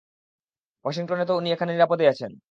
ওয়াশিংটনে তো উনি এখানে নিরাপদেই আছেন!